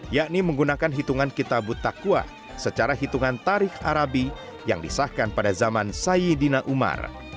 yakni menggunakan hitungan kitabut takwa secara hitungan tarif arabi yang disahkan pada zaman sayyidina umar